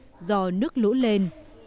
phải nghỉ học do nước lũ lên